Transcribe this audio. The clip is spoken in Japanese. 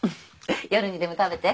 夜にでも食べて。